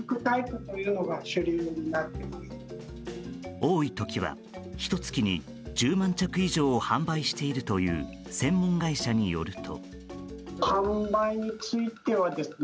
多い時はひと月に１０万着以上を販売しているという専門会社によると。